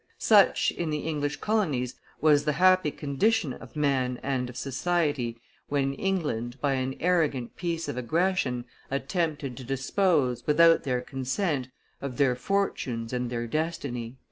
"Such, in the English colonies, was the happy condition of man and of society, when England, by an arrogant piece of aggression, attempted to dispose, without their consent, of their fortunes and their destiny."